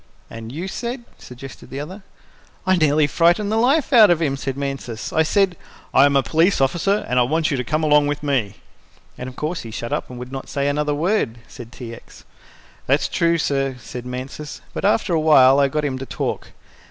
"And you said," suggested the other. "I nearly frightened his life out of him," said Mansus. "I said, 'I am a police officer and I want you to come along with me.'" "And of course he shut up and would not say another word," said T. X. "That's true, sir," said Mansus, "but after awhile I got him to talk.